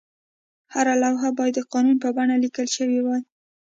هره لوحه باید د قانون په بڼه لیکل شوې وای.